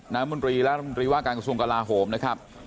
น้ำมุนตรีและน้ำมุนตรีว่าการกระทรวงกลาหโหมนะครับ